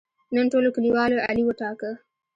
نن ټولو کلیوالو علي وټاکه.